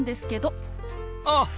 あっ！